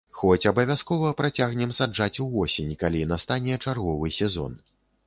Хоць абавязкова працягнем саджаць увосень, калі настане чарговы сезон.